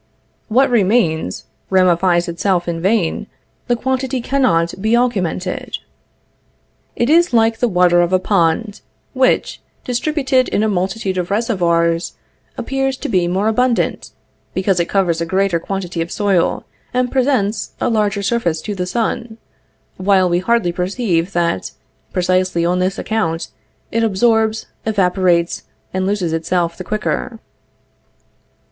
What remains, ramifies itself in vain, the quantity cannot be augmented. It is like the water of a pond, which, distributed in a multitude of reservoirs, appears to be more abundant, because it covers a greater quantity of soil, and presents a larger surface to the sun, while we hardly perceive that, precisely on this account, it absorbs, evaporates, and loses itself the quicker.